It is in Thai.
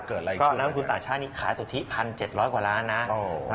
ก็หน้าคุณต่างช่างนี้ขายสุทธิ๑๗๐๐กว่าล้านนะ